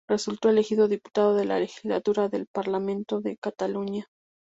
Resultó elegido diputado de la legislatura del Parlamento de Cataluña.